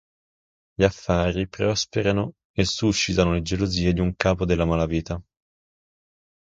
Gli affari prosperano e suscitano le gelosie di un capo della malavita.